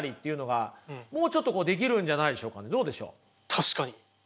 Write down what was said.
確かに。